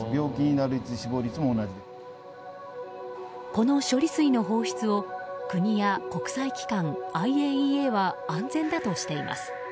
この処理水の放出を国や国際機関ＩＡＥＡは安全だとしています。